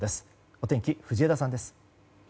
お天気、藤枝さんです。